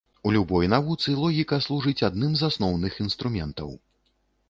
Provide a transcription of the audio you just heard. У любой навуцы логіка служыць адным з асноўных інструментаў.